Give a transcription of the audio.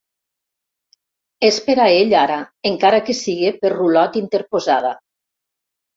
És per a ell, ara, encara que sigui per rulot interposada.